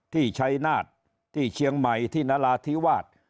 ชัยนาฏที่เชียงใหม่ที่นราธิวาส